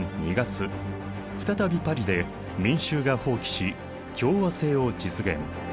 再びパリで民衆が蜂起し共和政を実現。